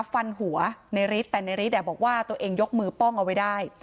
ฟันหัวเนริสแต่เนริสแด่บอกว่าตัวเองยกมือป้องเอาไว้ได้